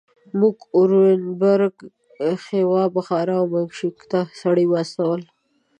موږ اورینبرګ، خیوا، بخارا او منګیشلاک ته سړي واستول.